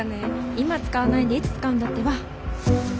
今使わないでいつ使うんだってば！